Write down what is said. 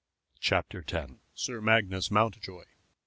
CHAPTER X. SIR MAGNUS MOUNTJOY.